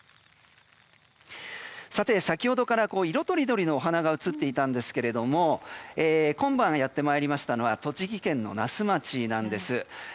さて、先ほどから色とりどりのお花が映っていたんですが今晩、やってまいりましたのは栃木県の那須町なんです。